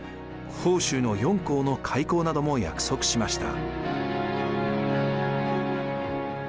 杭州の四港の開港なども約束しました。